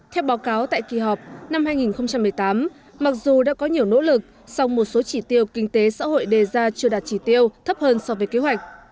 theo báo cáo tại kỳ họp năm hai nghìn một mươi tám mặc dù đã có nhiều nỗ lực song một số chỉ tiêu kinh tế xã hội đề ra chưa đạt chỉ tiêu thấp hơn so với kế hoạch